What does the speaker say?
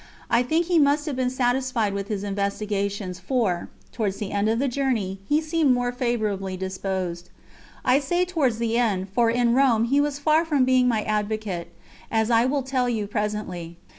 I think he must have been satisfied with his investigations, for, towards the end of the journey, he seemed more favourably disposed. I say towards the end, for in Rome he was far from being my advocate, as I will tell you presently.